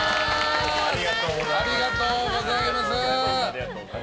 ありがとうございます。